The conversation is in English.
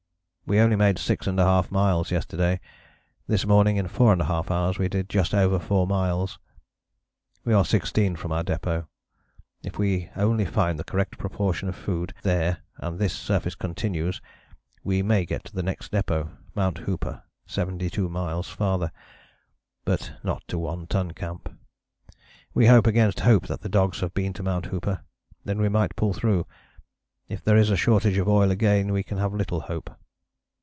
"We only made 6½ miles yesterday. This morning in 4½ hours we did just over 4 miles. We are 16 from our depôt. If we only find the correct proportion of food there and this surface continues, we may get to the next depôt [Mt. Hooper, 72 miles farther] but not to One Ton Camp. We hope against hope that the dogs have been to Mt. Hooper; then we might pull through. If there is a shortage of oil again we can have little hope.